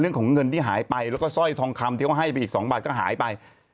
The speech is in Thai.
เรื่องของเงินที่หายไปแล้วก็สร้อยทองคำที่เขาให้ไปอีก๒บาทก็หายไป